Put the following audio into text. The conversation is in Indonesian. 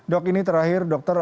dok ini terakhir dokter